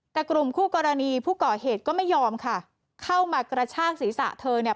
แต่กลุ่มคู่กรณีผู้ก่อเหตุก็ไม่ยอมค่ะเข้ามากระชากศีรษะเธอเนี่ย